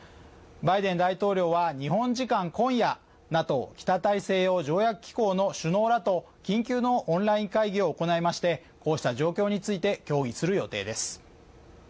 バイデン大統領は日本時間今夜、ＮＡＴＯ＝北大西洋条約機構の首脳らと緊急のオンライン会議を行いましてこうした状況について協議する予定です。